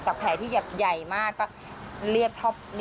จากแผลที่ใหญ่มากก็เรียบเทาะปากแล้ว